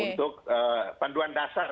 untuk panduan dasar